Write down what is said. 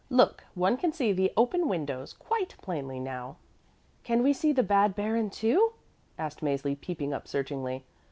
Look, one can see the open windows quite plainly now." "Can we see the bad baron, too?" asked Mäzli peeping up searchingly.